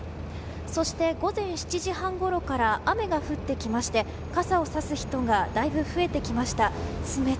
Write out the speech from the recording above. そして、午前７時半ごろから雨が降ってきまして傘を差す人がだいぶ増えてきました。